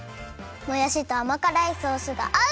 もやしとあまからいソースがあう！